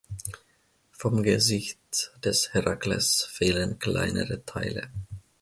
Vom Gesicht des Herakles fehlen kleinere Teile.